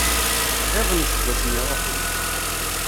Ttɣiḍen iseggasen iruḥen.